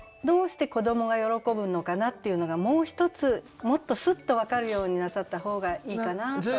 どうして子どもが喜ぶのかなっていうのがもうひとつもっとスッと分かるようになさった方がいいかなと。